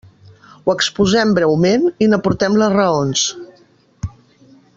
Ho exposem breument i n'aportem les raons.